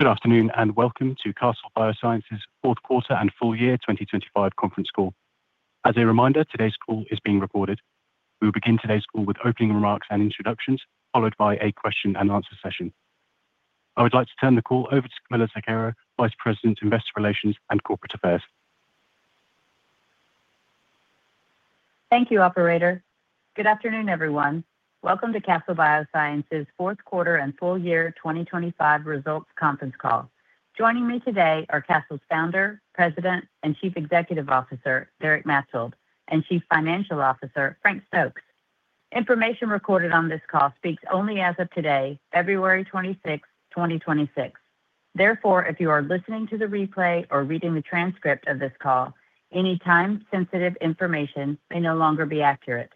Good afternoon, and welcome to Castle Biosciences's fourth quarter and full year 2025 conference call. As a reminder, today's call is being recorded. We will begin today's call with opening remarks and introductions, followed by a question and answer session. I would like to turn the call over to Camilla Zuckero, Vice President, Investor Relations and Corporate Affairs. Thank you, operator. Good afternoon, everyone. Welcome to Castle Biosciences's fourth quarter and full year 2025 results conference call. Joining me today are Castle's Founder, President, and Chief Executive Officer, Derek Maetzold, and Chief Financial Officer, Frank Stokes. Information recorded on this call speaks only as of today, February 26th, 2026. Therefore, if you are listening to the replay or reading the transcript of this call, any time-sensitive information may no longer be accurate.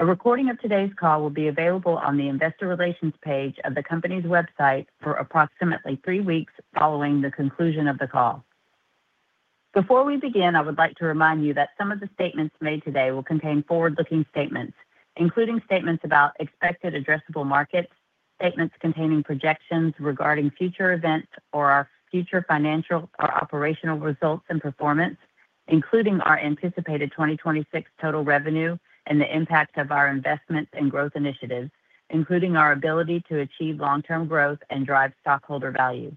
A recording of today's call will be available on the Investor Relations page of the company's website for approximately three weeks following the conclusion of the call. Before we begin, I would like to remind you that some of the statements made today will contain forward-looking statements, including statements about expected addressable markets, statements containing projections regarding future events or our future financial or operational results and performance, including our anticipated 2026 total revenue and the impact of our investments and growth initiatives, including our ability to achieve long-term growth and drive stockholder value.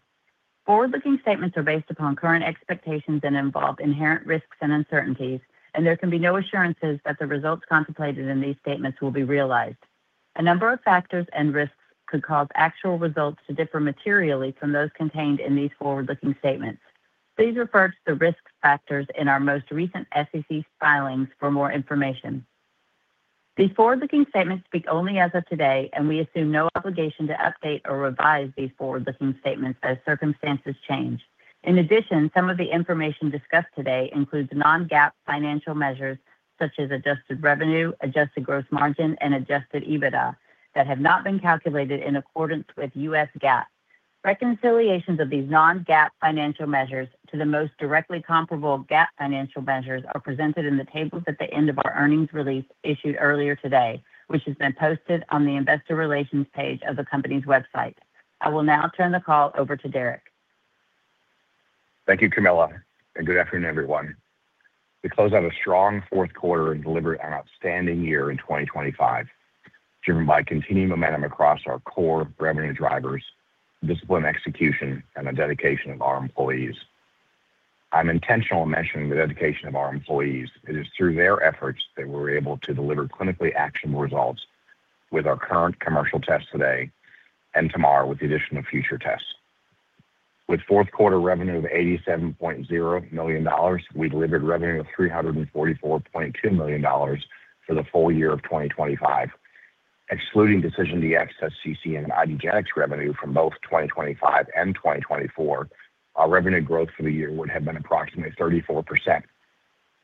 Forward-looking statements are based upon current expectations and involve inherent risks and uncertainties, and there can be no assurances that the results contemplated in these statements will be realized. A number of factors and risks could cause actual results to differ materially from those contained in these forward-looking statements. Please refer to the risk factors in our most recent SEC filings for more information. These forward-looking statements speak only as of today. We assume no obligation to update or revise these forward-looking statements as circumstances change. In addition, some of the information discussed today includes non-GAAP financial measures such as adjusted revenue, adjusted gross margin, and adjusted EBITDA that have not been calculated in accordance with US GAAP. Reconciliations of these non-GAAP financial measures to the most directly comparable GAAP financial measures are presented in the tables at the end of our earnings release issued earlier today, which has been posted on the Investor Relations page of the company's website. I will now turn the call over to Derek. Thank you, Camilla. Good afternoon, everyone. We closed out a strong fourth quarter and delivered an outstanding year in 2025, driven by continuing momentum across our core revenue drivers, disciplined execution, and the dedication of our employees. I'm intentional in mentioning the dedication of our employees. It is through their efforts that we're able to deliver clinically actionable results with our current commercial tests today and tomorrow, with the addition of future tests. With fourth quarter revenue of $87.0 million, we delivered revenue of $344.2 million for the full year of 2025. Excluding DecisionDx-SCC and IDgenetix revenue from both 2025 and 2024, our revenue growth for the year would have been approximately 34%.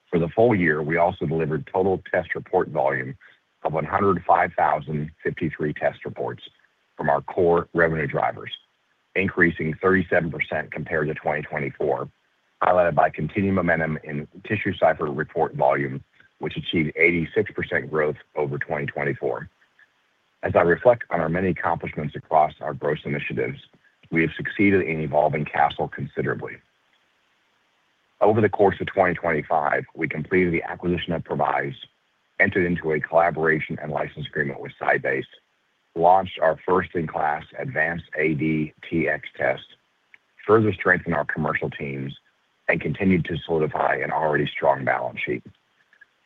For the full year, we also delivered total test report volume of 105,053 test reports from our core revenue drivers, increasing 37% compared to 2024, highlighted by continuing momentum in TissueCypher report volume, which achieved 86% growth over 2024. As I reflect on our many accomplishments across our growth initiatives, we have succeeded in evolving Castle considerably. Over the course of 2025, we completed the acquisition of Previse, entered into a collaboration and license agreement with SciBase, launched our first-in-class AdvanceAD-Tx test, further strengthened our commercial teams, and continued to solidify an already strong balance sheet.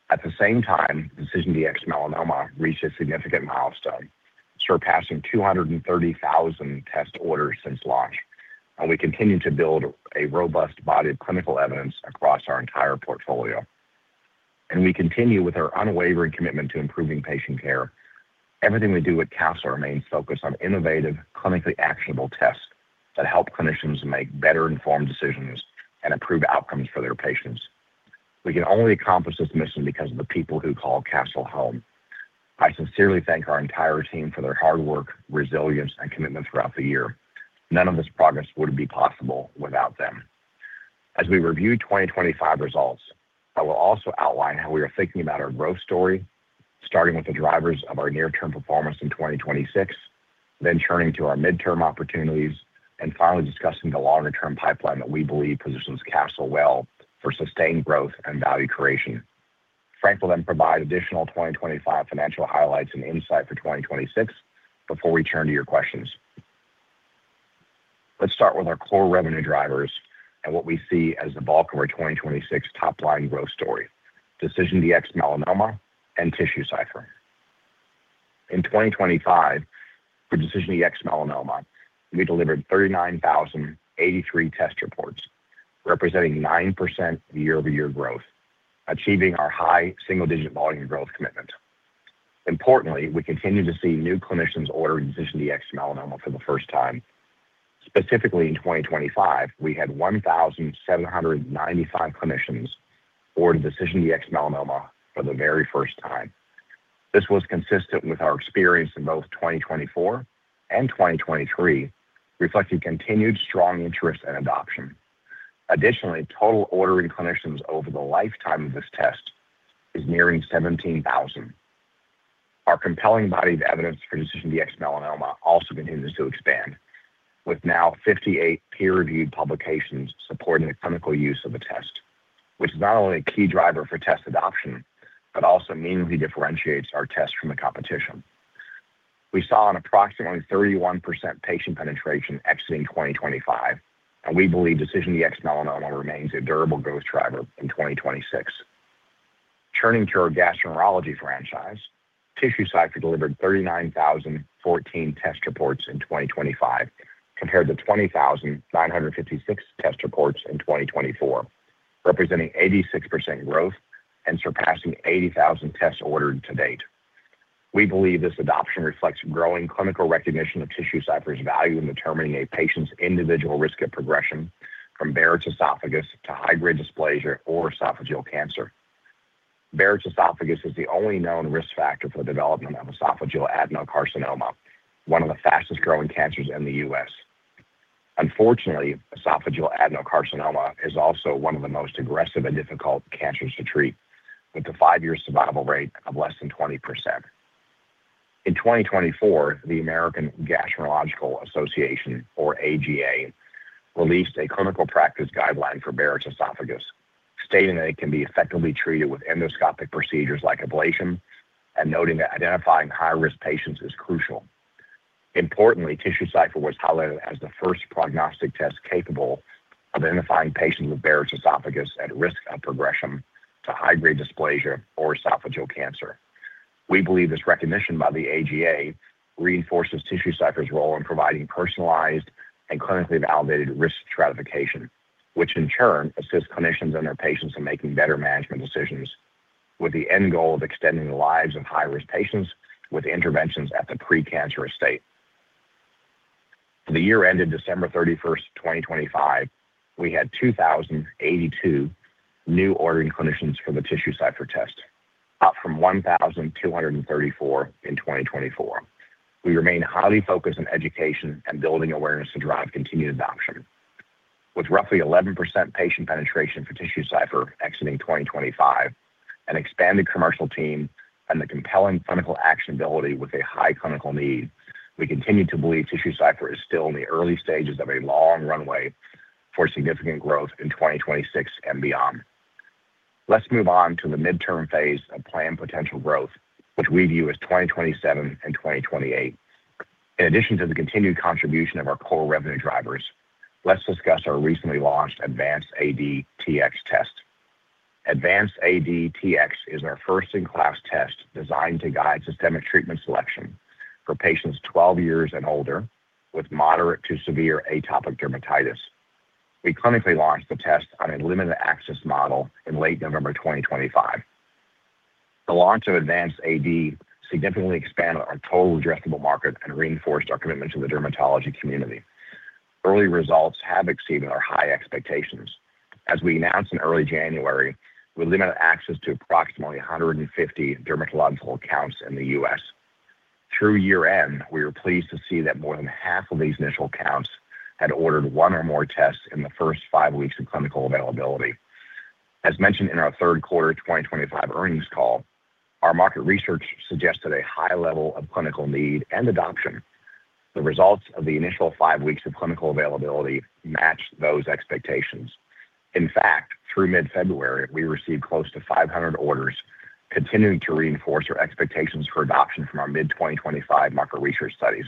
At the same time, DecisionDx-Melanoma reached a significant milestone, surpassing 230,000 test orders since launch, and we continue to build a robust body of clinical evidence across our entire portfolio. We continue with our unwavering commitment to improving patient care. Everything we do at Castle remains focused on innovative, clinically actionable tests that help clinicians make better informed decisions and improve outcomes for their patients. We can only accomplish this mission because of the people who call Castle home. I sincerely thank our entire team for their hard work, resilience, and commitment throughout the year. None of this progress would be possible without them. As we review 2025 results, I will also outline how we are thinking about our growth story, starting with the drivers of our near-term performance in 2026, then turning to our midterm opportunities, and finally, discussing the longer-term pipeline that we believe positions Castle well for sustained growth and value creation. Frank will then provide additional 2025 financial highlights and insight for 2026 before we turn to your questions. Let's start with our core revenue drivers and what we see as the bulk of our 2026 top-line growth story, DecisionDx-Melanoma and TissueCypher. In 2025, for DecisionDx-Melanoma, we delivered 39,083 test reports, representing 9% year-over-year growth, achieving our high single-digit volume growth commitment. Importantly, we continue to see new clinicians ordering DecisionDx-Melanoma for the first time. Specifically, in 2025, we had 1,795 clinicians order DecisionDx-Melanoma for the very first time. This was consistent with our experience in both 2024 and 2023, reflecting continued strong interest and adoption. Total ordering clinicians over the lifetime of this test is nearing 17,000. Our compelling body of evidence for DecisionDx-Melanoma also continues to expand, with now 58 peer-reviewed publications supporting the clinical use of the test, which is not only a key driver for test adoption, but also meaningfully differentiates our test from the competition. We saw an approximately 31% patient penetration exiting 2025. We believe DecisionDx-Melanoma remains a durable growth driver in 2026. Turning to our gastroenterology franchise, TissueCypher delivered 39,014 test reports in 2025, compared to 20,956 test reports in 2024, representing 86% growth and surpassing 80,000 tests ordered to date. We believe this adoption reflects growing clinical recognition of TissueCypher's value in determining a patient's individual risk of progression from Barrett's esophagus to high-grade dysplasia or esophageal cancer. Barrett's esophagus is the only known risk factor for the development of esophageal adenocarcinoma, one of the fastest-growing cancers in the US. Unfortunately, esophageal adenocarcinoma is also one of the most aggressive and difficult cancers to treat, with a five-year survival rate of less than 20%. In 2024, the American Gastroenterological Association, or AGA, released a clinical practice guideline for Barrett's esophagus, stating that it can be effectively treated with endoscopic procedures like ablation, and noting that identifying high-risk patients is crucial. Importantly, TissueCypher was highlighted as the first prognostic test capable of identifying patients with Barrett's esophagus at risk of progression to high-grade dysplasia or esophageal cancer. We believe this recognition by the AGA reinforces TissueCypher's role in providing personalized and clinically validated risk stratification, which in turn assists clinicians and their patients in making better management decisions, with the end goal of extending the lives of high-risk patients with interventions at the precancerous state. For the year ended December 31st, 2025, we had 2,082 new ordering clinicians for the TissueCypher test, up from 1,234 in 2024. We remain highly focused on education and building awareness to drive continued adoption. With roughly 11% patient penetration for TissueCypher exiting 2025, an expanded commercial team, and the compelling clinical actionability with a high clinical need, we continue to believe TissueCypher is still in the early stages of a long runway for significant growth in 2026 and beyond. Let's move on to the midterm phase of planned potential growth, which we view as 2027 and 2028. In addition to the continued contribution of our core revenue drivers, let's discuss our recently launched AdvanceAD-Tx test. AdvanceAD-Tx is our first-in-class test designed to guide systemic treatment selection for patients 12 years and older with moderate to severe atopic dermatitis. We clinically launched the test on a limited access model in late November 2025. The launch of AdvanceAD significantly expanded our total addressable market and reinforced our commitment to the dermatology community. Early results have exceeded our high expectations. As we announced in early January, we limited access to approximately 150 dermatological accounts in the U.S. Through year-end, we were pleased to see that more than half of these initial accounts had ordered 1 or more tests in the first 5 weeks of clinical availability. As mentioned in our 3rd quarter 2025 earnings call, our market research suggested a high level of clinical need and adoption. The results of the initial 5 weeks of clinical availability matched those expectations. In fact, through mid-February, we received close to 500 orders, continuing to reinforce our expectations for adoption from our mid-2025 market research studies.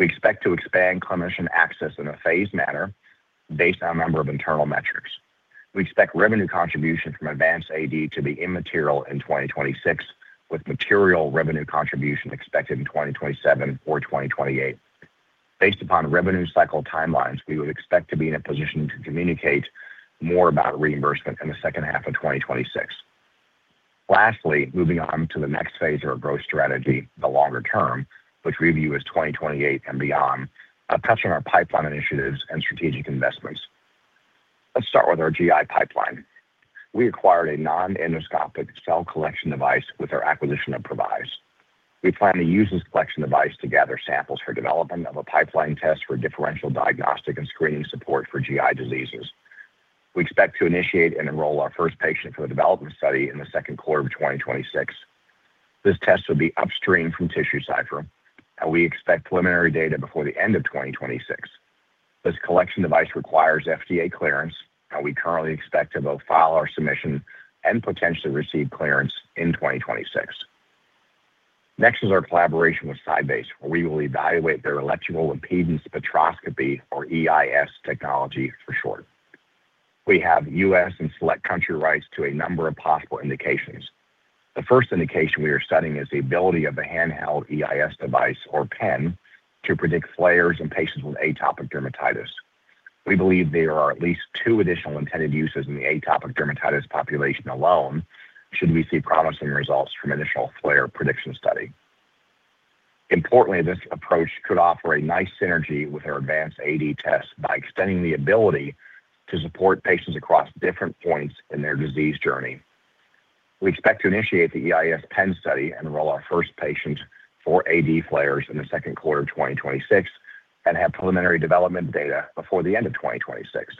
We expect to expand clinician access in a phased manner based on a number of internal metrics. We expect revenue contribution from AdvanceAD to be immaterial in 2026, with material revenue contribution expected in 2027 or 2028. Based upon revenue cycle timelines, we would expect to be in a position to communicate more about reimbursement in the second half of 2026. Moving on to the next phase of our growth strategy, the longer term, which we view as 2028 and beyond, I'll touch on our pipeline initiatives and strategic investments. Let's start with our GI pipeline. We acquired a non-endoscopic cell collection device with our acquisition of Previse. We plan to use this collection device to gather samples for development of a pipeline test for differential diagnostic and screening support for GI diseases. We expect to initiate and enroll our first patient for the development study in the second quarter of 2026. This test will be upstream from TissueCypher, and we expect preliminary data before the end of 2026. This collection device requires FDA clearance. We currently expect to both file our submission and potentially receive clearance in 2026. Next is our collaboration with SciBase, where we will evaluate their electrical impedance spectroscopy, or EIS technology for short. We have U.S. and select country rights to a number of possible indications. The first indication we are studying is the ability of a handheld EIS device or pen, to predict flares in patients with atopic dermatitis. We believe there are at least two additional intended uses in the atopic dermatitis population alone, should we see promising results from initial flare prediction study. Importantly, this approach could offer a nice synergy with our AdvanceAD-Tx test by extending the ability to support patients across different points in their disease journey. We expect to initiate the EIS pen study and enroll our first patient for AD flares in the second quarter of 2026 and have preliminary development data before the end of 2026.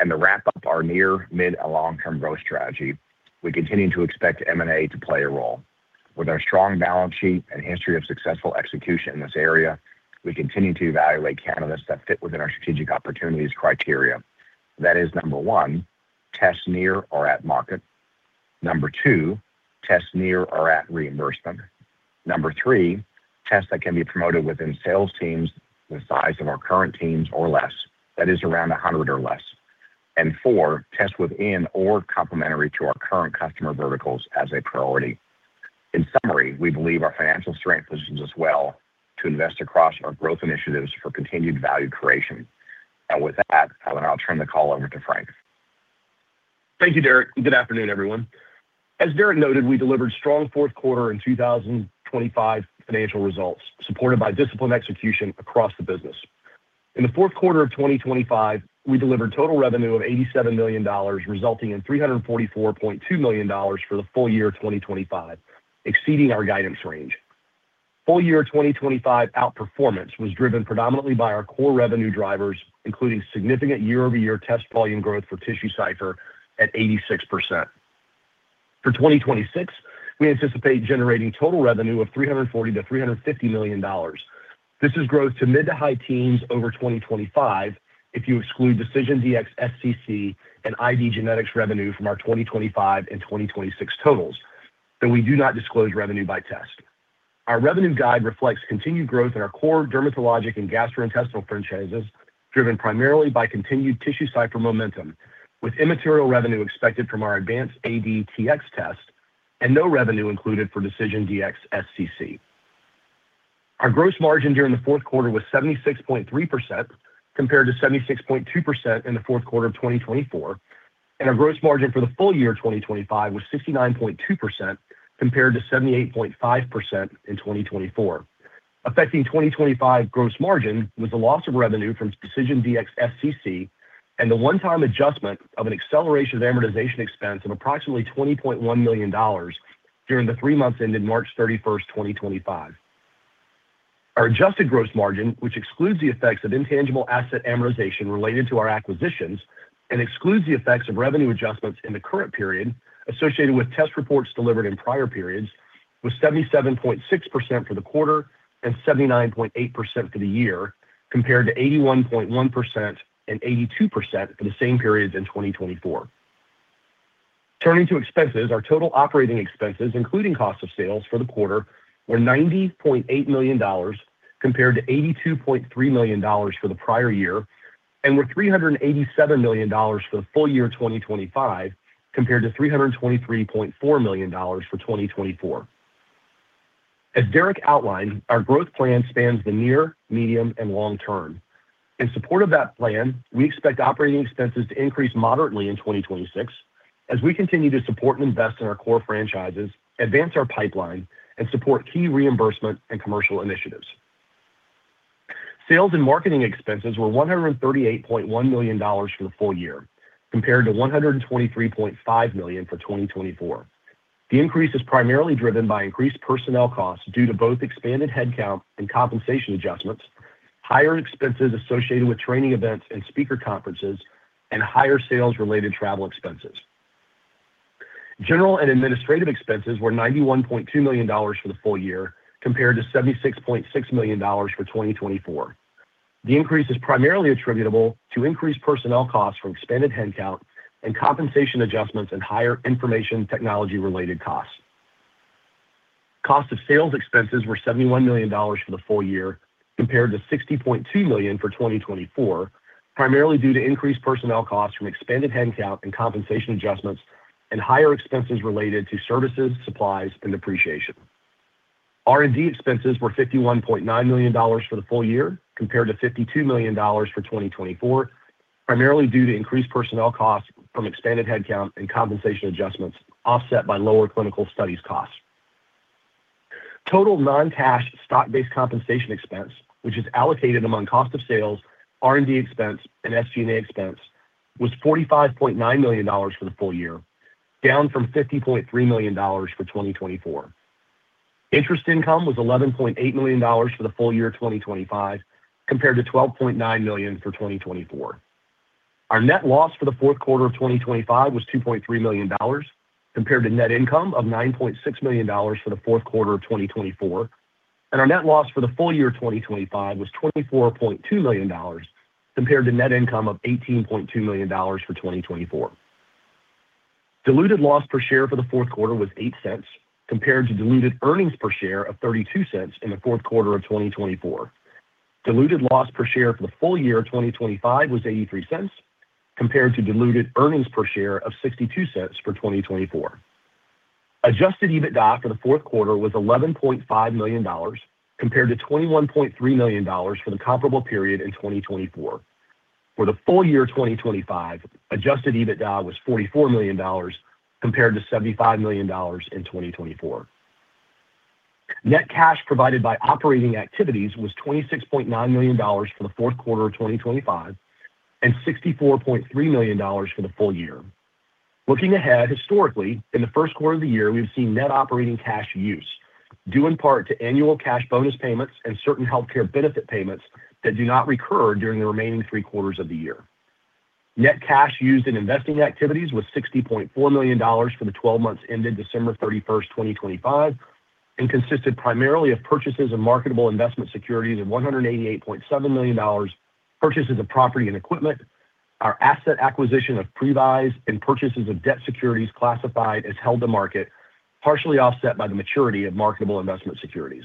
To wrap up our near, mid, and long-term growth strategy, we continue to expect M&A to play a role. With our strong balance sheet and history of successful execution in this area, we continue to evaluate candidates that fit within our strategic opportunities criteria. That is, number 1, test near or at market. Number 2, test near or at reimbursement. Number 3, tests that can be promoted within sales teams the size of our current teams or less, that is, around 100 or less. Four, tests within or complementary to our current customer verticals as a priority. In summary, we believe our financial strength positions us well to invest across our growth initiatives for continued value creation. With that, I'll now turn the call over to Frank. Thank you, Derek. Good afternoon, everyone. As Derek noted, we delivered strong fourth quarter in 2025 financial results, supported by disciplined execution across the business. In the fourth quarter of 2025, we delivered total revenue of $87 million, resulting in $344.2 million for the full year 2025, exceeding our guidance range. Full year 2025 outperformance was driven predominantly by our core revenue drivers, including significant year-over-year test volume growth for TissueCypher at 86%. For 2026, we anticipate generating total revenue of $340 million-$350 million. This is growth to mid to high teens over 2025, if you exclude DecisionDx-SCC and IDgenetix revenue from our 2025 and 2026 totals. We do not disclose revenue by test. Our revenue guide reflects continued growth in our core dermatologic and gastrointestinal franchises, driven primarily by continued TissueCypher momentum, with immaterial revenue expected from our AdvanceAD-Tx test and no revenue included for DecisionDx-SCC. Our gross margin during the fourth quarter was 76.3%, compared to 76.2% in the fourth quarter of 2024, and our gross margin for the full year 2025 was 69.2%, compared to 78.5% in 2024. Affecting 2025 gross margin was the loss of revenue from DecisionDx-SCC and the one-time adjustment of an acceleration of amortization expense of approximately $20.1 million during the three months ended March 31st, 2025. Our adjusted gross margin, which excludes the effects of intangible asset amortization related to our acquisitions and excludes the effects of revenue adjustments in the current period associated with test reports delivered in prior periods, was 77.6% for the quarter and 79.8% for the year, compared to 81.1% and 82% for the same periods in 2024. Turning to expenses, our total operating expenses, including cost of sales for the quarter, were $90.8 million, compared to $82.3 million for the prior year, and were $387 million for the full year 2025, compared to $323.4 million for 2024. As Derek outlined, our growth plan spans the near, medium, and long term. In support of that plan, we expect operating expenses to increase moderately in 2026 as we continue to support and invest in our core franchises, advance our pipeline, and support key reimbursement and commercial initiatives. Sales and marketing expenses were $138.1 million for the full year, compared to $123.5 million for 2024. The increase is primarily driven by increased personnel costs due to both expanded headcount and compensation adjustments, higher expenses associated with training events and speaker conferences, and higher sales-related travel expenses. General and administrative expenses were $91.2 million for the full year, compared to $76.6 million for 2024. The increase is primarily attributable to increased personnel costs from expanded headcount and compensation adjustments and higher information technology-related costs. Cost of sales expenses were $71 million for the full year, compared to $60.2 million for 2024, primarily due to increased personnel costs from expanded headcount and compensation adjustments and higher expenses related to services, supplies, and depreciation. R&D expenses were $51.9 million for the full year, compared to $52 million for 2024, primarily due to increased personnel costs from expanded headcount and compensation adjustments, offset by lower clinical studies costs. Total non-cash stock-based compensation expense, which is allocated among cost of sales, R&D expense, and SG&A expense, was $45.9 million for the full year, down from $50.3 million for 2024. Interest income was $11.8 million for the full year 2025, compared to $12.9 million for 2024. Our net loss for the fourth quarter of 2025 was $2.3 million, compared to net income of $9.6 million for the fourth quarter of 2024. Our net loss for the full year 2025 was $24.2 million, compared to net income of $18.2 million for 2024. Diluted loss per share for the fourth quarter was $0.08, compared to diluted earnings per share of $0.32 in the fourth quarter of 2024. Diluted loss per share for the full year 2025 was $0.83, compared to diluted earnings per share of $0.62 for 2024. Adjusted EBITDA for the fourth quarter was $11.5 million, compared to $21.3 million for the comparable period in 2024. For the full year 2025, adjusted EBITDA was $44 million, compared to $75 million in 2024. Net cash provided by operating activities was $26.9 million for the fourth quarter of 2025, and $64.3 million for the full year. Looking ahead, historically, in the first quarter of the year, we've seen net operating cash use due in part to annual cash bonus payments and certain healthcare benefit payments that do not recur during the remaining three quarters of the year. Net cash used in investing activities was $60.4 million for the 12 months ended December 31st, 2025, consisted primarily of purchases of marketable investment securities of $188.7 million, purchases of property and equipment, our asset acquisition of Previse and purchases of debt securities classified as held to maturity, partially offset by the maturity of marketable investment securities.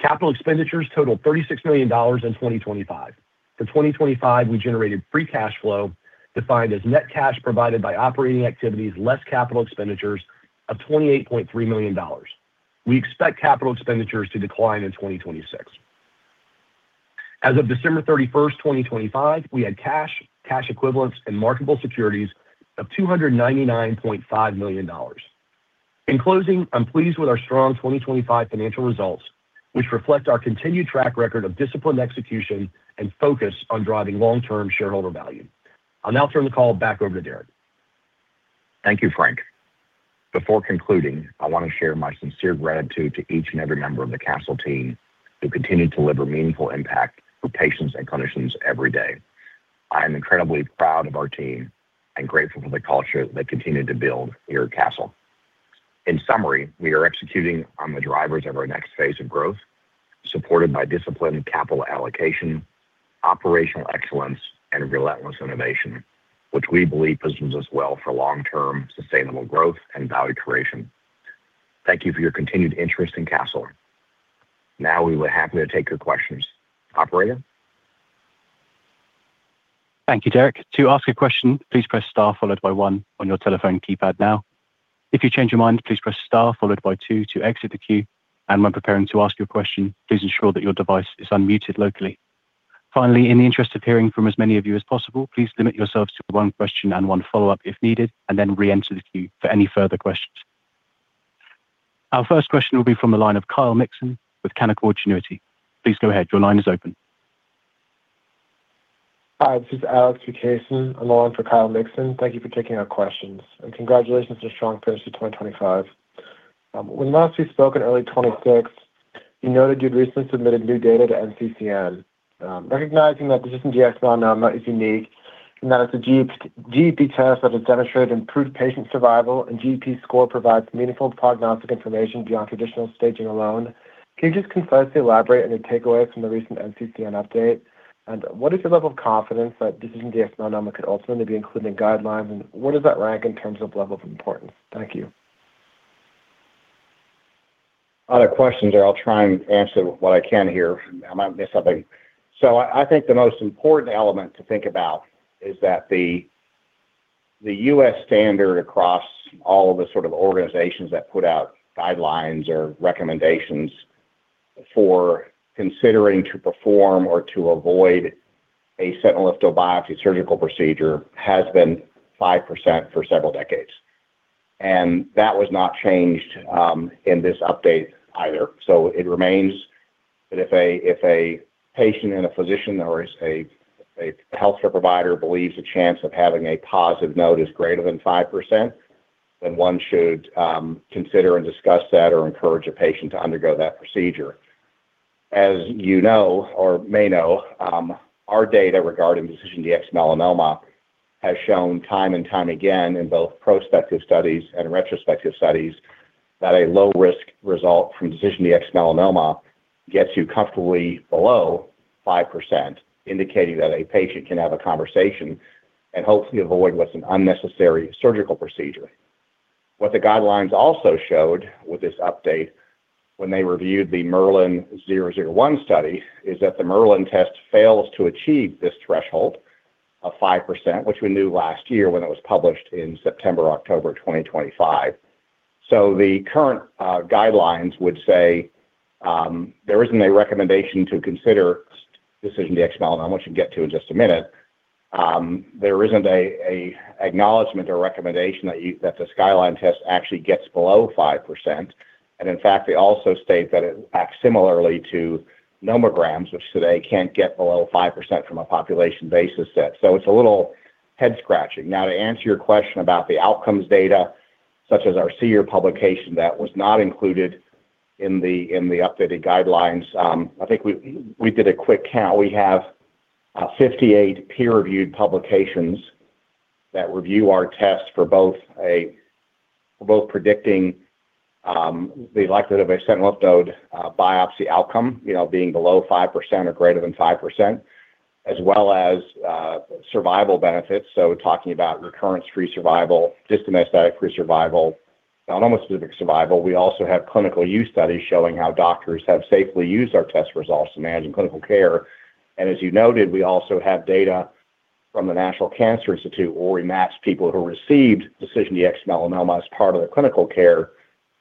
Capital expenditures totaled $36 million in 2025. For 2025, we generated free cash flow defined as net cash provided by operating activities, less capital expenditures of $28.3 million. We expect capital expenditures to decline in 2026. As of December 31st, 2025, we had cash equivalents, and marketable securities of $299.5 million. In closing, I'm pleased with our strong 2025 financial results, which reflect our continued track record of disciplined execution and focus on driving long-term shareholder value. I'll now turn the call back over to Derek. Thank you, Frank. Before concluding, I want to share my sincere gratitude to each and every member of the Castle team who continue to deliver meaningful impact for patients and clinicians every day. I am incredibly proud of our team and grateful for the culture they continue to build here at Castle. In summary, we are executing on the drivers of our next phase of growth, supported by disciplined capital allocation, operational excellence, and relentless innovation, which we believe positions us well for long-term sustainable growth and value creation. Thank you for your continued interest in Castle. We are happy to take your questions. Operator. Thank you, Derek. To ask a question, please press star followed by 1 on your telephone keypad now. If you change your mind, please press star followed by 2 to exit the queue. When preparing to ask your question, please ensure that your device is unmuted locally. Finally, in the interest of hearing from as many of you as possible, please limit yourselves to 1 question and 1 follow-up if needed, and then reenter the queue for any further questions. Our first question will be from the line of Kyle Mikson with Canaccord Genuity. Please go ahead. Your line is open. Hi, this is Alex Vukasin. I'm on for Kyle Mikson. Thank you for taking our questions. Congratulations on a strong finish to 2025. When last we spoke in early 2026, you noted you'd recently submitted new data to NCCN. Recognizing that DecisionDx-Melanoma is unique and that it's a 31-GEP test that has demonstrated improved patient survival and GEP score provides meaningful prognostic information beyond traditional staging alone, can you just concisely elaborate on your takeaway from the recent NCCN update? What is your level of confidence that DecisionDx-Melanoma could ultimately be included in guidelines, and what does that rank in terms of level of importance? Thank you. A lot of questions there. I'll try and answer what I can here. I might miss something. I think the most important element to think about is that the US standard across all of the sort of organizations that put out guidelines or recommendations for considering to perform or to avoid a sentinel lymph node biopsy surgical procedure has been 5% for several decades. That was not changed in this update either. It remains that if a patient and a physician or is a healthcare provider believes the chance of having a positive node is greater than 5%, then one should consider and discuss that or encourage a patient to undergo that procedure. As you know or may know, our data regarding DecisionDx-Melanoma has shown time and time again in both prospective studies and retrospective studies that a low-risk result from DecisionDx-Melanoma gets you comfortably below 5%, indicating that a patient can have a conversation and hopefully avoid what's an unnecessary surgical procedure. What the guidelines also showed with this update when they reviewed the MERLIN_001 study is that the Merlin test fails to achieve this threshold of 5%, which we knew last year when it was published in September, October 2025. The current guidelines would say, there isn't a recommendation to consider DecisionDx-Melanoma, which we'll get to in just a minute. There isn't a acknowledgment or recommendation that the SkylineDx test actually gets below 5%. In fact, they also state that it acts similarly to nomograms, which today can't get below 5% from a population basis set. It's a little head-scratching. To answer your question about the outcomes data, such as our SEER publication that was not included in the updated guidelines, I think we did a quick count. We have 58 peer-reviewed publications that review our test for both predicting the likelihood of a sentinel lymph node biopsy outcome, you know, being below 5% or greater than 5%, as well as survival benefits. Talking about recurrence-free survival, distant metastatic-free survival, non-metastatic survival. We also have clinical use studies showing how doctors have safely used our test results to manage in clinical care. As you noted, we also have data from the National Cancer Institute where we matched people who received DecisionDx-Melanoma as part of their clinical care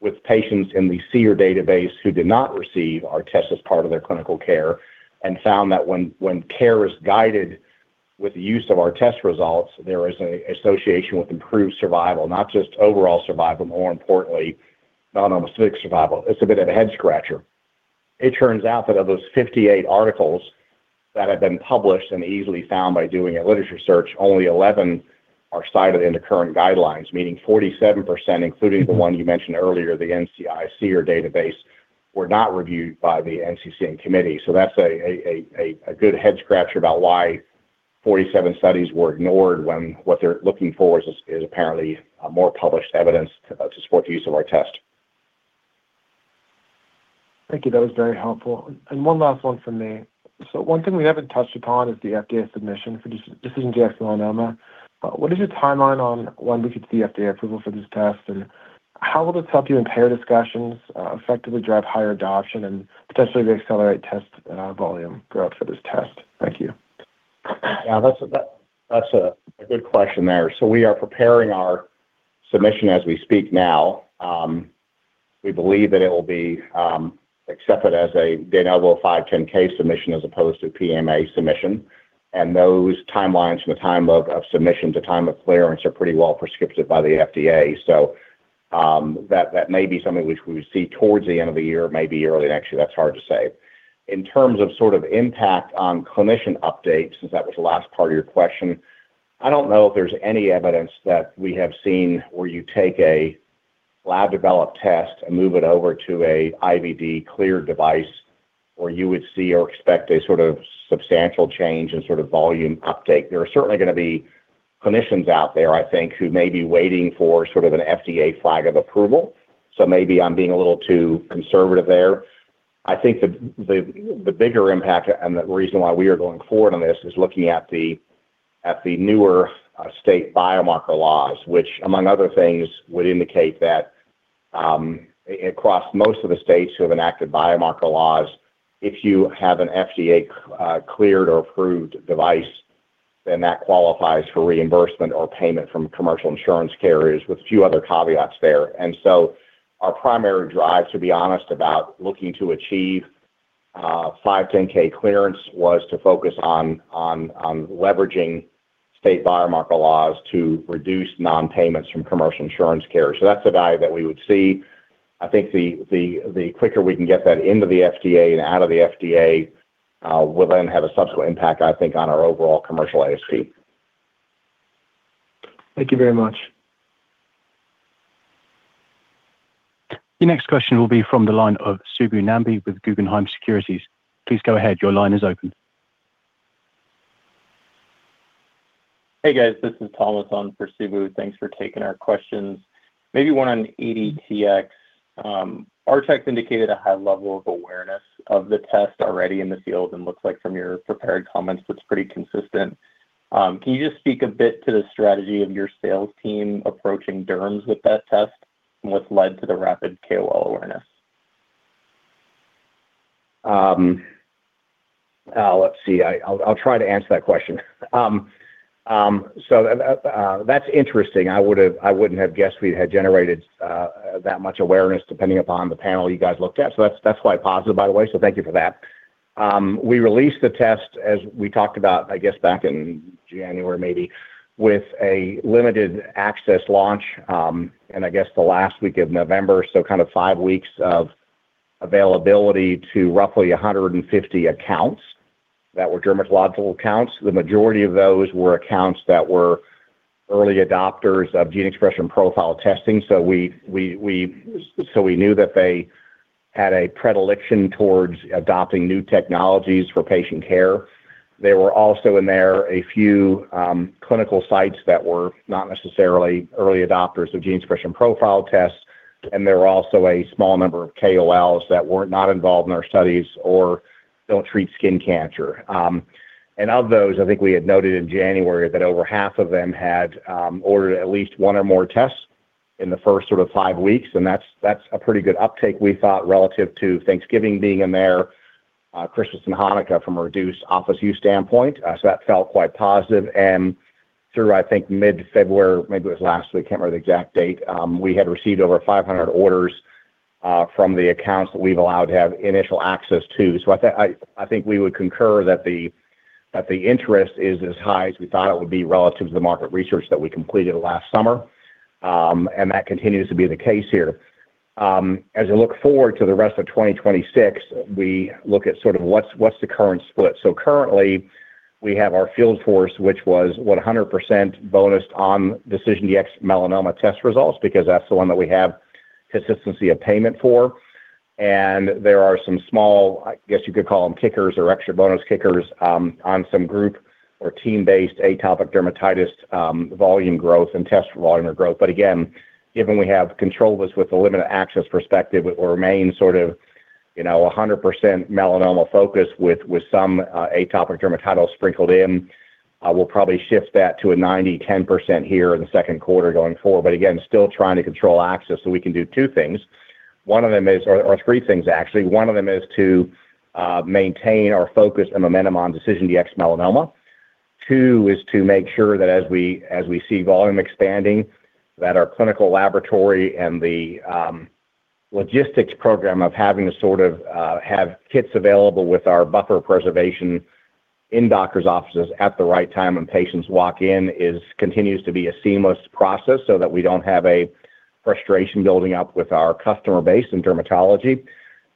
with patients in the SEER database who did not receive our test as part of their clinical care and found that when care is guided with the use of our test results, there is a association with improved survival, not just overall survival, more importantly, non-metastatic survival. It's a bit of a head-scratcher. It turns out that of those 58 articles that have been published and easily found by doing a literature search, only 11 are cited in the current guidelines, meaning 47%, including the one you mentioned earlier, the NCDB database, were not reviewed by the NCCN committee. That's a good head scratcher about why 47 studies were ignored when what they're looking for is apparently, more published evidence to support the use of our test. Thank you. That was very helpful. One last one from me. One thing we haven't touched upon is the FDA submission for this DecisionDx-Melanoma. What is your timeline on when we could see FDA approval for this test? How will it help you in payer discussions, effectively drive higher adoption and potentially accelerate test volume growth for this test? Thank you. Yeah, that's a good question there. We are preparing our submission as we speak now. We believe that it will be accepted as a de novo 510(k) submission as opposed to PMA submission, and those timelines from the time of submission to time of clearance are pretty well prescriptive by the FDA. That may be something which we see towards the end of the year, maybe early next year. That's hard to say. In terms of sort of impact on clinician updates, since that was the last part of your question, I don't know if there's any evidence that we have seen where you take a laboratory-developed test and move it over to a IVD cleared device, where you would see or expect a sort of substantial change in sort of volume uptake. There are certainly gonna be clinicians out there, I think, who may be waiting for sort of an FDA flag of approval, so maybe I'm being a little too conservative there. I think the bigger impact and the reason why we are going forward on this is looking at the newer state biomarker laws, which among other things, would indicate that across most of the states who have enacted biomarker laws, if you have an FDA cleared or approved device, then that qualifies for reimbursement or payment from commercial insurance carriers, with few other caveats there. Our primary drive, to be honest, about looking to achieve 510(k) clearance, was to focus on leveraging state biomarker laws to reduce non-payments from commercial insurance carriers. That's the value that we would see. I think the quicker we can get that into the FDA and out of the FDA, will then have a subsequent impact, I think, on our overall commercial ASP. Thank you very much. The next question will be from the line of Subbu Nambi with Guggenheim Securities. Please go ahead. Your line is open. Hey, guys. This is Thomas on for Subbu. Thanks for taking our questions. Maybe one on ADTX. R-Tech indicated a high level of awareness of the test already in the field. Looks like from your prepared comments, that's pretty consistent. Can you just speak a bit to the strategy of your sales team approaching derms with that test and what's led to the rapid KOL awareness? Let's see. I'll try to answer that question. So that's interesting. I wouldn't have guessed we'd had generated that much awareness, depending upon the panel you guys looked at. That's, that's quite positive, by the way, so thank you for that. We released the test, as we talked about, I guess, back in January, maybe with a limited access launch, and I guess the last week of November, so kind of 5 weeks of availability to roughly 150 accounts that were dermatological accounts. The majority of those were accounts that were early adopters of gene expression profile testing. We knew that they had a predilection towards adopting new technologies for patient care. There were also in there a few clinical sites that were not necessarily early adopters of gene expression profile tests, and there were also a small number of KOLs that were not involved in our studies or don't treat skin cancer. Of those, I think we had noted in January that over half of them had ordered at least 1 or more tests in the first sort of 5 weeks, and that's a pretty good uptake, we thought, relative to Thanksgiving being in there, Christmas and Hanukkah, from a reduced office view standpoint. So that felt quite positive. Through, I think, mid-February, maybe it was last week, I can't remember the exact date, we had received over 500 orders from the accounts that we've allowed to have initial access to. I think we would concur that the, that the interest is as high as we thought it would be relative to the market research that we completed last summer, and that continues to be the case here. As I look forward to the rest of 2026, we look at sort of what's the current split? Currently, we have our field force, which was 100% bonused on DecisionDx-Melanoma test results, because that's the one that we have consistency of payment for. There are some small, I guess you could call them, kickers or extra bonus kickers, on some group or team-based atopic dermatitis volume growth and test volume or growth. Given we have control of this with a limited access perspective, it will remain sort of, you know, 100% melanoma focus with some atopic dermatitis sprinkled in. We'll probably shift that to a 90%, 10% here in the second quarter going forward, still trying to control access, so we can do two things. One of them is or three things actually. One of them is to maintain our focus and momentum on DecisionDx-Melanoma. Two, is to make sure that as we, as we see volume expanding, that our clinical laboratory and the logistics program of having to sort of, have kits available with our buffer preservation. in doctor's offices at the right time when patients walk in is, continues to be a seamless process so that we don't have a frustration building up with our customer base in dermatology.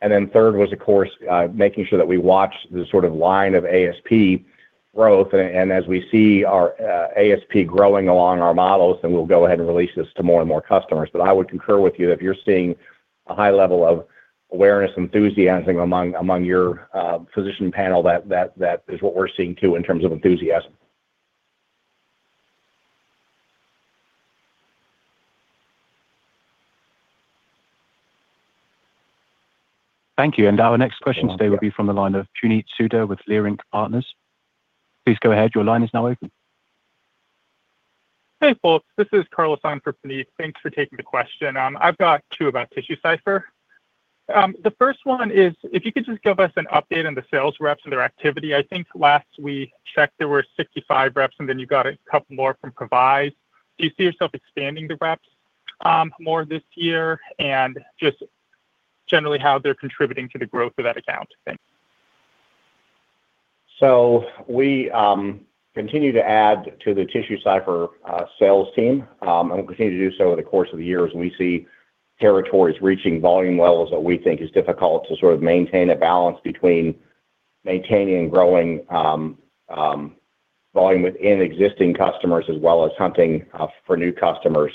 Third was, of course, making sure that we watch the sort of line of ASP growth. As we see our ASP growing along our models, we'll go ahead and release this to more and more customers. I would concur with you if you're seeing a high level of awareness, enthusiasm among your physician panel, that is what we're seeing, too, in terms of enthusiasm. Thank you. Our next question today will be from the line of Puneet Souda with Leerink Partners. Please go ahead. Your line is now open. Hey, folks. This is Carlos on for Puneet. Thanks for taking the question. I've got 2 about TissueCypher. The first one is if you could just give us an update on the sales reps and their activity. I think last we checked, there were 65 reps, and then you got a couple more from Previse. Do you see yourself expanding the reps more this year? Just generally, how they're contributing to the growth of that account? Thanks. We continue to add to the TissueCypher sales team, and we continue to do so over the course of the year as we see territories reaching volume levels that we think is difficult to sort of maintain a balance between maintaining and growing volume within existing customers, as well as hunting for new customers.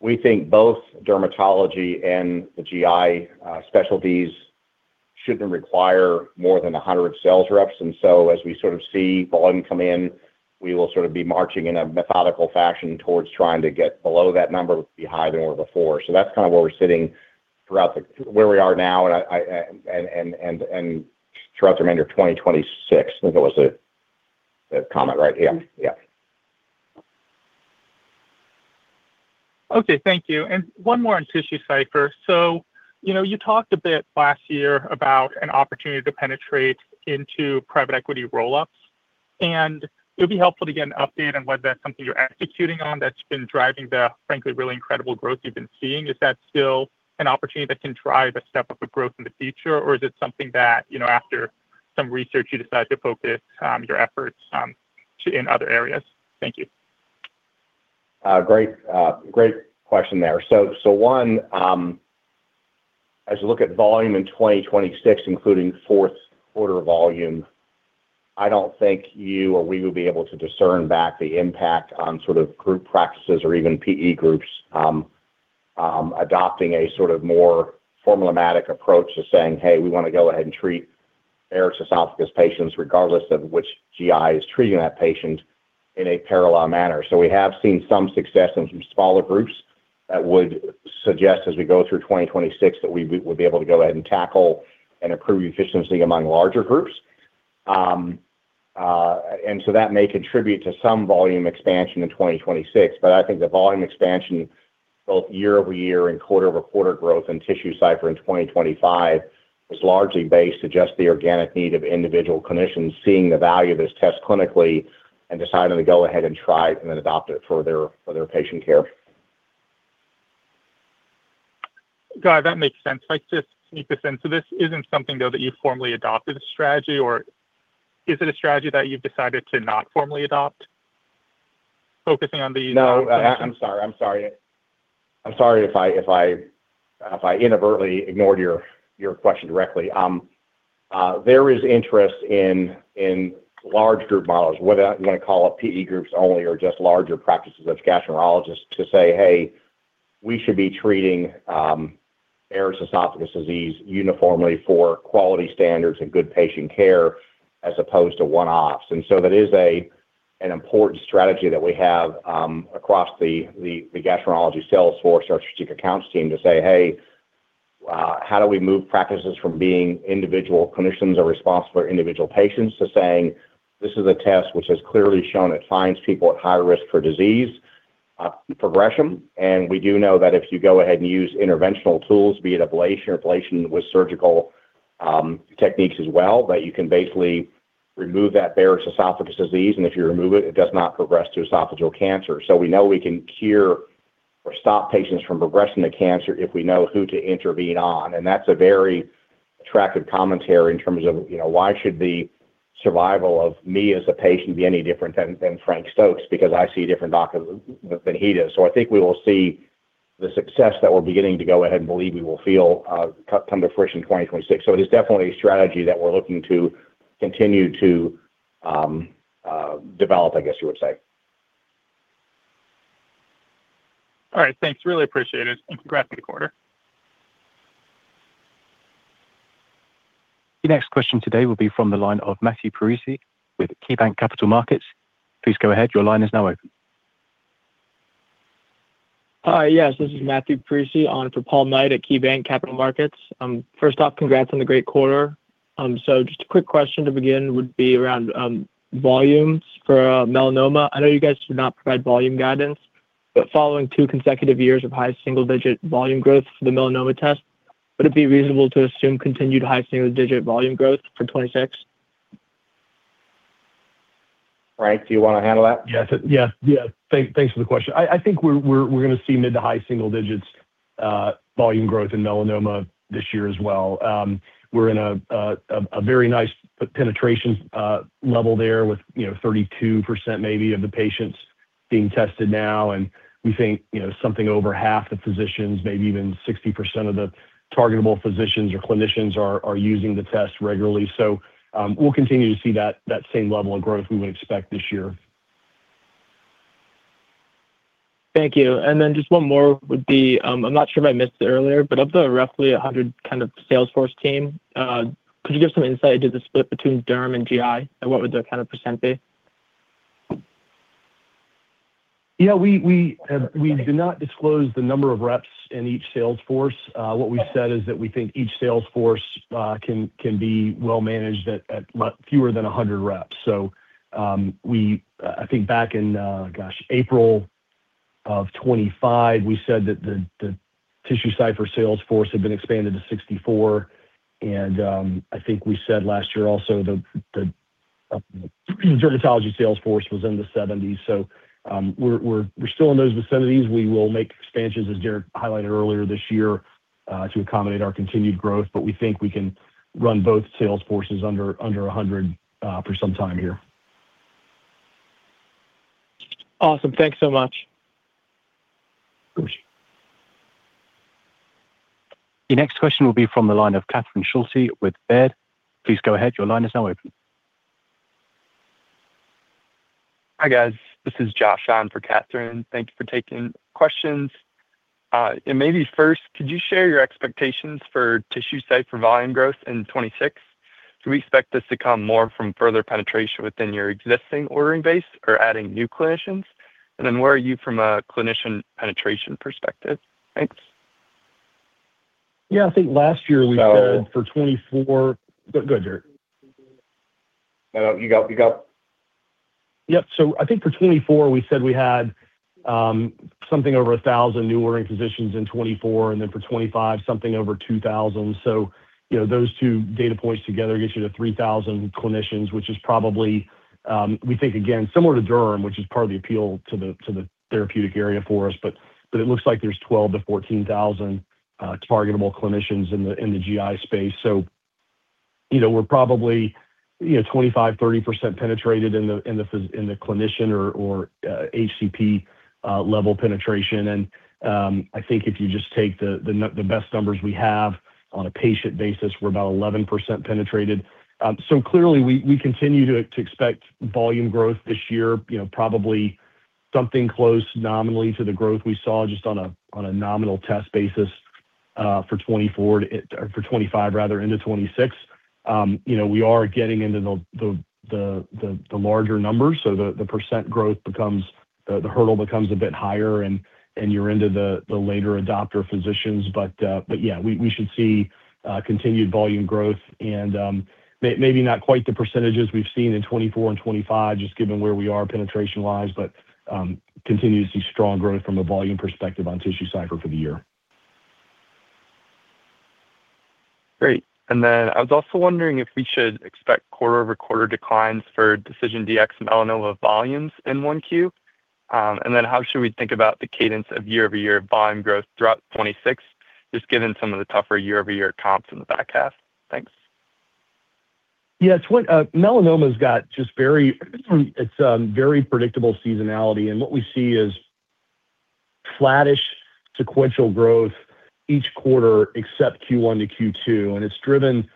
We think both dermatology and the GI specialties shouldn't require more than 100 sales reps, and so as we sort of see volume come in, we will sort of be marching in a methodical fashion towards trying to get below that number, be higher than we were before. That's kind of where we're sitting where we are now, and I and throughout the remainder of 2026. I think that was the comment, right? Yeah. Yeah. Okay, thank you. One more on TissueCypher. You know, you talked a bit last year about an opportunity to penetrate into private equity roll-ups, and it would be helpful to get an update on whether that's something you're executing on, that's been driving the, frankly, really incredible growth you've been seeing. Is that still an opportunity that can drive a step-up of growth in the future, or is it something that, you know, after some research, you decide to focus your efforts to in other areas? Thank you. Great, great question there. One, as you look at volume in 2026, including fourth quarter volume, I don't think you or we will be able to discern back the impact on sort of group practices or even PE groups, adopting a sort of more formulatic approach to saying, "Hey, we want to go ahead and treat Barrett's esophagus patients, regardless of which GI is treating that patient in a parallel manner." We have seen some success in some smaller groups that would suggest as we go through 2026, that we will be able to go ahead and tackle and improve efficiency among larger groups. That may contribute to some volume expansion in 2026, I think the volume expansion, both year-over-year and quarter-over-quarter growth in TissueCypher in 2025, is largely based to just the organic need of individual clinicians seeing the value of this test clinically and deciding to go ahead and try it and then adopt it for their patient care. Got it, that makes sense. If I could just sneak this in. This isn't something, though, that you formally adopted a strategy or is it a strategy that you've decided to not formally adopt, focusing on the... No, I'm sorry. I'm sorry. I'm sorry if I inadvertently ignored your question directly. There is interest in large group models, whether you want to call it PE groups only or just larger practices of gastroenterologists, to say, "Hey, we should be treating Barrett's Esophagus disease uniformly for quality standards and good patient care, as opposed to one-offs." That is a, an important strategy that we have across the gastroenterology sales force, our strategic accounts team, to say, "Hey, how do we move practices from being individual clinicians are responsible for individual patients?" To saying, "This is a test which has clearly shown it finds people at high risk for disease progression." We do know that if you go ahead and use interventional tools, be it ablation or ablation with surgical techniques as well, that you can basically remove that Barrett's Esophagus disease, and if you remove it does not progress to esophageal cancer. We know we can cure or stop patients from progressing to cancer if we know who to intervene on. That's a very attractive commentary in terms of, you know, why should the survival of me as a patient be any different than Frank Stokes? I see a different doctor than he does. I think we will see the success that we're beginning to go ahead and believe we will feel, come to fruition in 2026. It is definitely a strategy that we're looking to continue to, develop, I guess you would say. All right. Thanks, really appreciate it. Congrats on the quarter. The next question today will be from the line of Matthew Parisi with KeyBanc Capital Markets. Please go ahead. Your line is now open. Hi. Yes, this is Matthew Parisi, on for Paul Knight at KeyBanc Capital Markets. First off, congrats on the great quarter. Just a quick question to begin would be around volumes for melanoma. I know you guys do not provide volume guidance, but following two consecutive years of high single-digit volume growth for the melanoma test, would it be reasonable to assume continued high single-digit volume growth for 2026? Frank, do you want to handle that? Yes. Thanks for the question. I think we're going to see mid to high single digits volume growth in melanoma this year as well. We're in a very nice penetration level there with, you know, 32% maybe of the patients being tested now, and we think, you know, something over half the physicians, maybe even 60% of the targetable physicians or clinicians are using the test regularly. We'll continue to see that same level of growth we would expect this year. Thank you. Just one more would be, I'm not sure if I missed it earlier, but of the roughly 100 kind of salesforce team, could you give some insight into the split between Derm and GI, and what would the kind of % be? We do not disclose the number of reps in each sales force. What we've said is that we think each sales force can be well managed fewer than 100 reps. I think back in April of 2025, we said that the TissueCypher sales force had been expanded to 64, and I think we said last year also, the dermatology sales force was in the 70s. We're still in those vicinities. We will make expansions, as Derek highlighted earlier this year, to accommodate our continued growth. We think we can run both sales forces under 100 for some time here. Awesome. Thanks so much. Of course. The next question will be from the line of Catherine Schulte with Baird. Please go ahead. Your line is now open. Hi, guys. This is Josh on for Catherine. Thank you for taking questions. Maybe first, could you share your expectations for TissueCypher volume growth in 2026? Do we expect this to come more from further penetration within your existing ordering base or adding new clinicians? Then where are you from a clinician penetration perspective? Thanks. Yeah, I think last year we said for 2024... Go, go Derek. No, you go, you go. Yep. I think for 2024, we said we had something over 1,000 new ordering physicians in 2024, for 2025, something over 2,000. You know, those two data points together gets you to 3,000 clinicians, which is probably, we think, again, similar to Derm, which is part of the appeal to the therapeutic area for us. It looks like there's 12-14,000 targetable clinicians in the GI space. You know, we're probably, you know, 25-30% penetrated in the clinician or HCP level penetration. I think if you just take the best numbers we have on a patient basis, we're about 11% penetrated. Clearly, we continue to expect volume growth this year, you know, probably something close nominally to the growth we saw just on a nominal test basis for 2024 to 2025, rather, into 2026. You know, we are getting into the larger numbers, so the percent growth becomes the hurdle becomes a bit higher, and you're into the later adopter physicians. Yeah, we should see continued volume growth and maybe not quite the percentages we've seen in 2024 and 2025, just given where we are penetration-wise, but continue to see strong growth from a volume perspective on TissueCypher for the year. Great. I was also wondering if we should expect quarter-over-quarter declines for DecisionDx and melanoma volumes in 1Q? How should we think about the cadence of year-over-year volume growth throughout 2026, just given some of the tougher year-over-year comps in the back half? Thanks. Yeah. It's what, melanoma's got just very predictable seasonality. What we see is flattish sequential growth each quarter except Q1 to Q2. It's driven.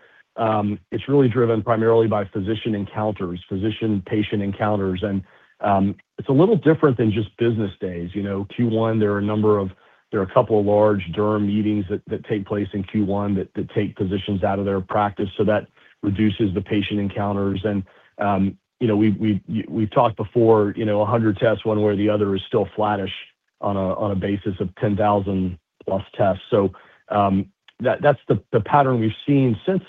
It's really driven primarily by physician encounters, physician-patient encounters. It's a little different than just business days. You know, Q1, there are a couple of large Derm meetings that take place in Q1 that take physicians out of their practice, so that reduces the patient encounters. You know, we've talked before, you know, 100 tests, one way or the other, is still flattish on a basis of 10,000+ tests. That's the pattern we've seen since,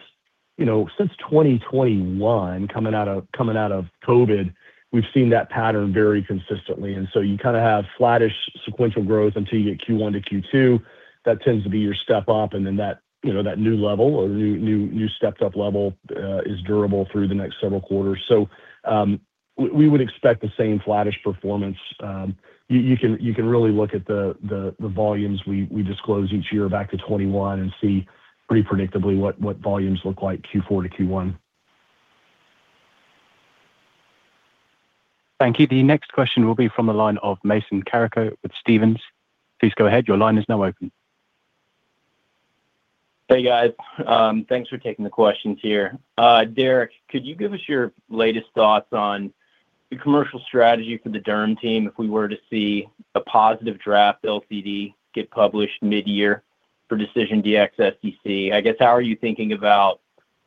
you know, since 2021. Coming out of COVID, we've seen that pattern very consistently, and so you kind of have flattish sequential growth until you get Q1 to Q2. That tends to be your step-up, and then that, you know, that new level or new stepped-up level is durable through the next several quarters. We would expect the same flattish performance. You can really look at the volumes we disclose each year back to 21 and see pretty predictably what volumes look like Q4 to Q1. Thank you. The next question will be from the line of Mason Carrico with Stephens. Please go ahead. Your line is now open. Hey, guys. Thanks for taking the questions here. Derek, could you give us your latest thoughts on the commercial strategy for the Derm team if we were to see a positive draft LCD get published mid-year for DecisionDx-SCC? I guess, how are you thinking about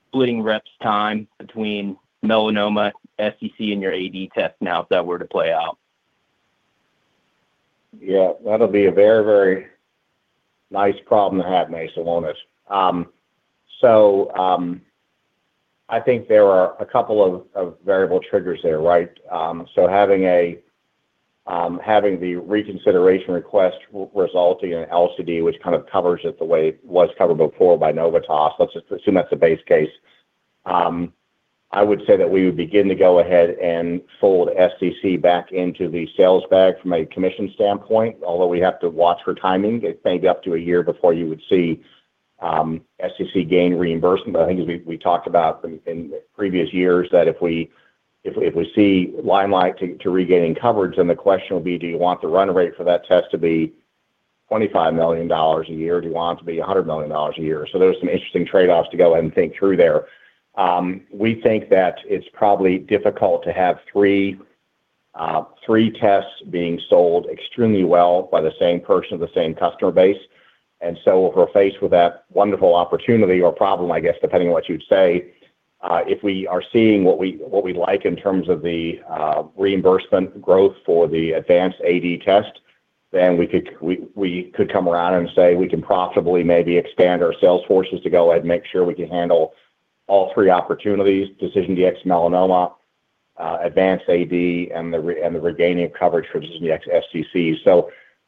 splitting reps' time between melanoma, SCC, and your AD test now, if that were to play out? Yeah, that'll be a very, very nice problem to have, Mason, won't it? I think there are a couple of variable triggers there, right? Having the reconsideration request resulting in an LCD, which kind of covers it the way it was covered before by Novitas, let's just assume that's the base case. I would say that we would begin to go ahead and fold SCC back into the sales bag from a commission standpoint, although we have to watch for timing. It may be up to a year before you would see SCC gain reimbursement. I think as we talked about in previous years that if we see Limelight regaining coverage, then the question will be, do you want the run rate for that test to be $25 million a year, or do you want it to be $100 million a year? There's some interesting trade-offs to go ahead and think through there. We think that it's probably difficult to have three tests being sold extremely well by the same person, the same customer base. If we're faced with that wonderful opportunity or problem, I guess, depending on what you'd say, if we are seeing what we, what we'd like in terms of the reimbursement growth for the Advance AD test, then we could come around and say we can profitably maybe expand our sales forces to go ahead and make sure we can handle all 3 opportunities, DecisionDx-Melanoma, Advance AD, and the regaining of coverage for DecisionDx-SCC.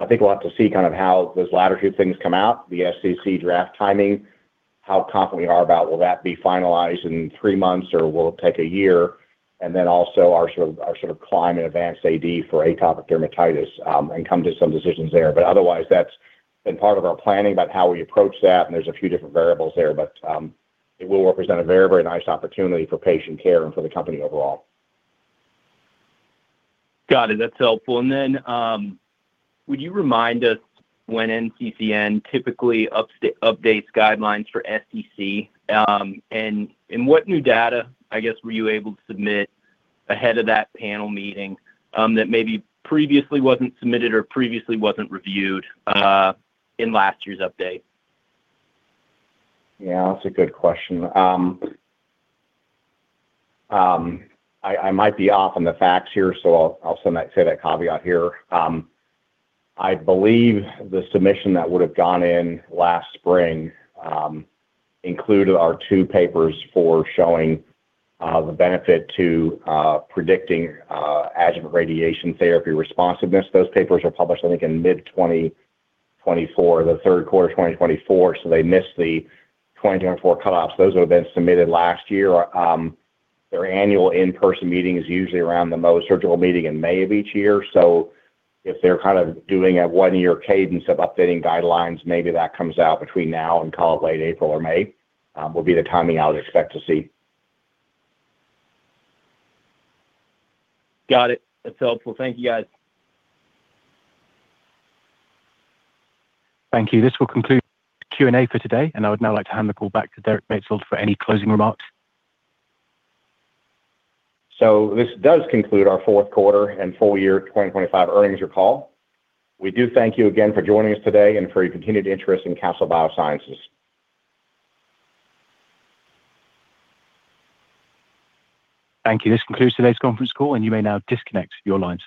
I think we'll have to see kind of how those latter two things come out, the SCC draft timing, how confident we are about will that be finalized in 3 months or will it take 1 year? Also our sort of climb in Advance AD for atopic dermatitis, and come to some decisions there. Otherwise, that's been part of our planning about how we approach that, and there's a few different variables there, but it will represent a very, very nice opportunity for patient care and for the company overall. Got it. That's helpful. Would you remind us when NCCN typically updates guidelines for SCC? What new data, I guess, were you able to submit ahead of that panel meeting, that maybe previously wasn't submitted or previously wasn't reviewed, in last year's update? Yeah, that's a good question. I might be off on the facts here, I'll say that caveat here. I believe the submission that would have gone in last spring included our 2 papers for showing the benefit to predicting adjuvant radiation therapy responsiveness. Those papers are published, I think, in mid 2024, the 3rd quarter of 2024, they missed the 2024 cutoffs. Those would have been submitted last year. Their annual in-person meeting is usually around the most surgical meeting in May of each year. If they're kind of doing a 1-year cadence of updating guidelines, maybe that comes out between now and call it late April or May will be the timing I would expect to see. Got it. That's helpful. Thank you, guys. Thank you. This will conclude Q&A for today. I would now like to hand the call back to Derek Maetzold for any closing remarks. This does conclude our fourth quarter and full year 2025 earnings recall. We do thank you again for joining us today and for your continued interest in Castle Biosciences. Thank you. This concludes today's conference call, and you may now disconnect your lines.